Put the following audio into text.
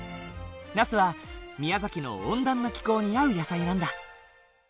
ナスは宮崎の温暖な気候に合う野菜なんだ。